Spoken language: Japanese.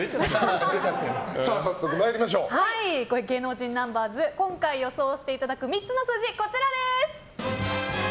芸能人ナンバーズ今回予想していただく３つの数字、こちらです。